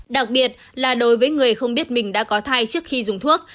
đặc biệt là đối với người không biết mình đã có thai trước khi dùng thuốc